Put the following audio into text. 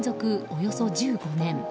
およそ１５年。